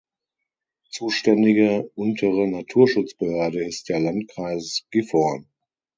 Zuständige untere Naturschutzbehörde ist der Landkreis Gifhorn.